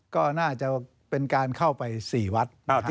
ก็น่าจะเป็นการเข้าไป๔วัด